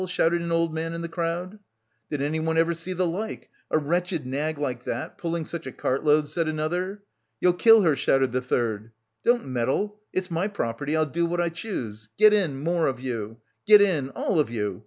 shouted an old man in the crowd. "Did anyone ever see the like? A wretched nag like that pulling such a cartload," said another. "You'll kill her," shouted the third. "Don't meddle! It's my property, I'll do what I choose. Get in, more of you! Get in, all of you!